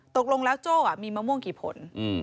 ตกลงแล้วโจ้มีมะม่วงกี่ผล